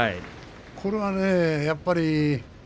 これはやっぱりね